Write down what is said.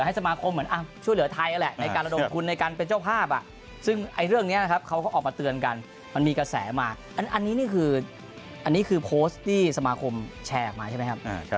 อันนี้คือโพสต์ที่สมาคมแชร์ออกมาใช่ไหมครับ